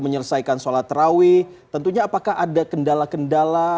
menyelesaikan sholat terawih tentunya apakah ada kendala kendala